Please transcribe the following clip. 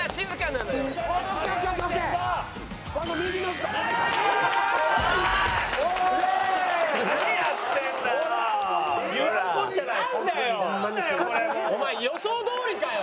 なんだよ！お前予想どおりかよ！